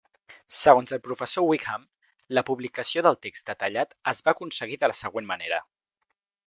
Segons el professor Whigham, la publicació del text detallat es va aconseguir de la següent manera.